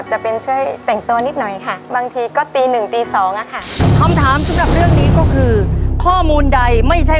ให้ใครอยากได้ว่าสูงสุดนะฮะ